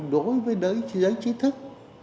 đối với đối với giới chí thức